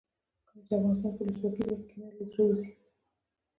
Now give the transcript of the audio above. کله چې افغانستان کې ولسواکي وي کینه له زړه وځي.